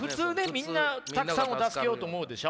みんなたくさんを助けようと思うでしょ？